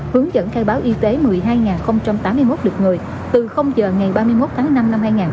hướng dẫn khai báo y tế một mươi hai tám mươi một lượt người từ giờ ngày ba mươi một tháng năm năm hai nghìn hai mươi